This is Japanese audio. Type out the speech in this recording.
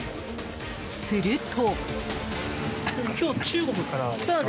すると。